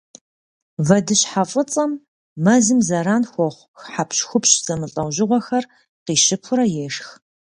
Вэдыщхьэфӏыцӏэм мэзым зэран хуэхъу хьэпщхупщ зэмылӏэужьыгъуэхэр къищыпурэ ешх.